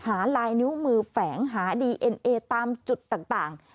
ลายนิ้วมือแฝงหาดีเอ็นเอตามจุดต่าง